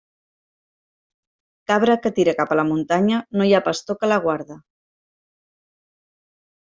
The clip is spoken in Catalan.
Cabra que tira cap a la muntanya, no hi ha pastor que la guarde.